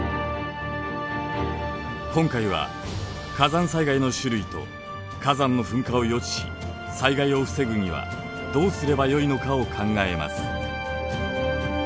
今回は火山災害の種類と火山の噴火を予知し災害を防ぐにはどうすればよいのかを考えます。